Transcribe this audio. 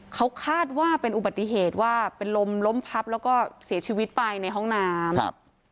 เขาคาดว่าเป็นอุบัติเหตุว่าเป็นลมล้มพับแล้วก็เสียชีวิตไปในห้องน้ำครับ